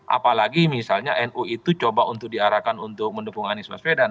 apalagi misalnya nu itu coba untuk diarahkan untuk mendukung anies baswedan